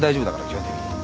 基本的に。